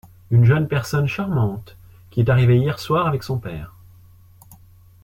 Une jeune personne charmante… qui est arrivée hier au soir avec son père…